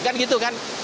kan gitu kan